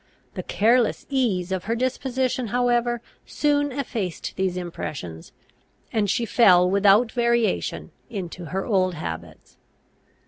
The careless ease of her disposition, however, soon effaced these impressions, and she fell without variation into her old habits.